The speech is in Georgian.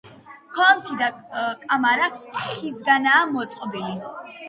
კონქი და კამარა ხისგანაა მოწყობილი.